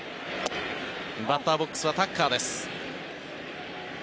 バッターボックスはタッカーです。